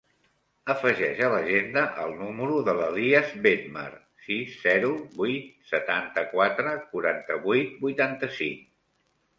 Afegeix a l'agenda el número de l'Elías Bedmar: sis, zero, vuit, setanta-quatre, quaranta-vuit, vuitanta-cinc.